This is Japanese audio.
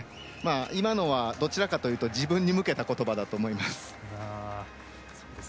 今のはどちらかというと自分に向けたことばだと思います。